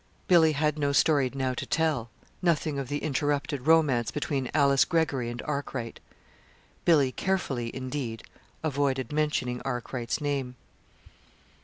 Billy had no story now to tell nothing of the interrupted romance between Alice Greggory and Arkwright. Billy carefully, indeed, avoided mentioning Arkwright's name.